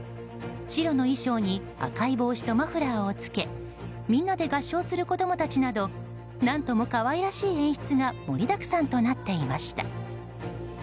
白の衣装に赤い帽子とマフラーをつけみんなで合唱する子供たちなど何とも可愛らしい演出が盛りだくさんとなっていました。